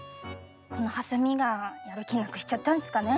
このハサミがやる気なくしちゃったんすかね。